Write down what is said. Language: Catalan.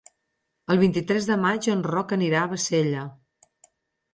El vint-i-tres de maig en Roc anirà a Bassella.